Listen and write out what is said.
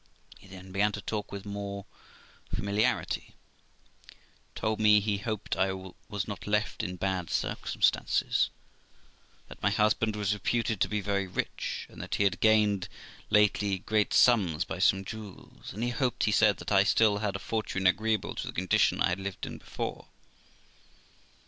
He then began to talk with me more familiarly; told me he hoped I was not left in bad circumstances ; that Mr was reputed to be very rich, and that he had gained lately great sums by some jewels, and he hoped, he said, that I had still a fortune agreeable to the condition I had lived in before.